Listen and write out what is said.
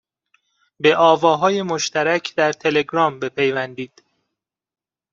به آواهای مشترک در تلگرام بپیوندید